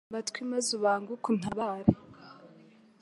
ntega amatwi maze ubanguke untabare